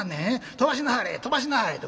飛ばしなはれ飛ばしなはれ』って。